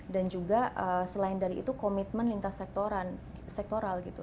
dan juga selain dari itu komitmen lintas sektoral gitu